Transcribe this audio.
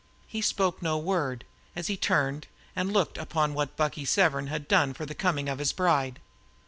He spoke no word as he turned and looked upon what Bucky Severn had done for the coming of his bride.